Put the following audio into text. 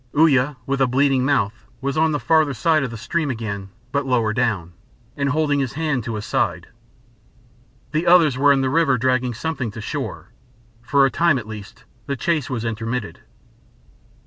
Uya, with a bleeding mouth, was on the farther side of the stream again, but lower down, and holding his hand to his side. The others were in the river dragging something to shore. For a time at least the chase was intermitted.